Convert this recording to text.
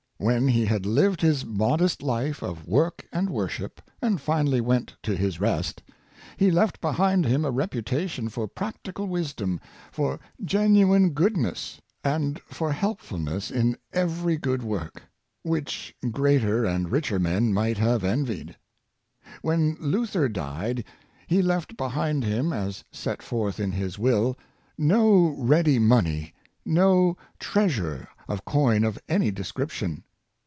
When he had Hved his modest Hfe of work and worship, and finally went to his rest, he left behind him a reputation for practical wisdom, for genu ine goodness, and for helpfulness in every good work, which greater and richer men might have envied. When Luther died, he left behind him, as set forth in his will, " no ready money, no treasure of coin of any description."